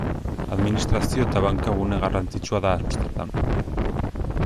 Administrazio eta banka gune garrantzitsua da Amsterdam.